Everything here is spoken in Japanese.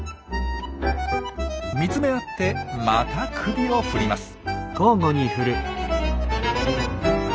見つめ合ってまた首を振ります。